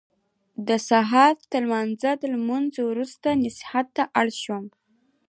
د سهار تر فرض لمانځه وروسته نصیحت ته اړم شو.